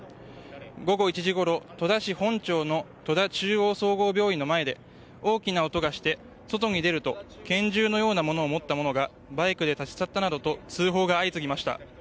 午後１時ごろ、戸田市本町の戸田中央総合病院の前で大きな音がして外に出ると拳銃のようなものを持った者がバイクで立ち去ったなどと通報が相次ぎました。